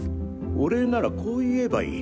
お礼ならこう言えばいい。